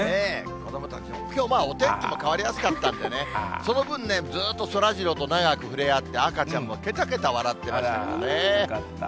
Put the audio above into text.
子どもたちも、きょう、まあ、お天気も変わりやすかったんでね、その分ね、ずっとそらジローと長く触れ合って、赤ちゃんもけたけた笑ってらっしゃいましたね。よかった。